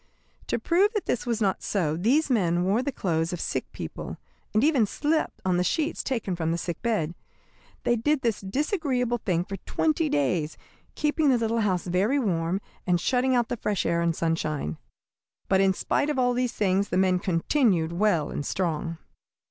To prove that this was not so, these men wore the clothes of sick people, and even slept on the sheets taken from the sickbed. They did this disagreeable thing for twenty days, keeping the little house very warm, and shutting out the fresh air and sunshine. But in spite of all these things the men continued well and strong.